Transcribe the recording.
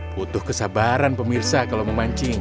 butuh kesabaran pemirsa kalau memancing